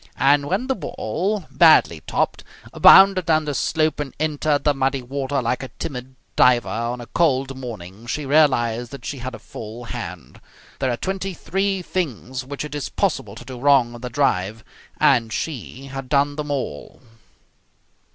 And when the ball, badly topped, bounded down the slope and entered the muddy water like a timid diver on a cold morning she realized that she had a full hand. There are twenty three things which it is possible to do wrong in the drive, and she had done them all.